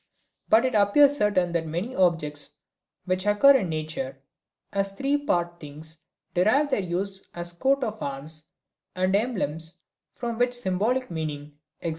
But it appears certain that many objects which occur in nature as three part things derive their use as coats of arms and emblems from such symbolic meaning, e.g.